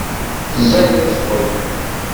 Ẓẓayeḍ i ccɣel.